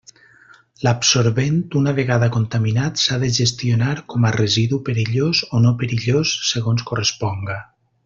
L'absorbent, una vegada contaminat, s'ha de gestionar com a residu perillós o no perillós, segons corresponga.